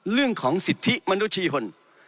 เรื่องของสิทธิมนุษยชน